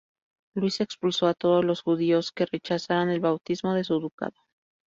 Luis expulsó a todos los judíos que rechazaran el bautismo de su ducado.